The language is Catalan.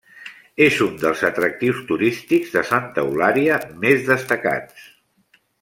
És un dels atractius turístics de Santa Eulària més destacats.